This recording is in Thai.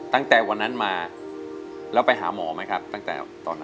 ตั้งแต่วันนั้นมาแล้วไปหาหมอไหมครับตั้งแต่ตอนนั้น